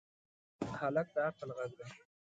هلک د عقل غږ دی.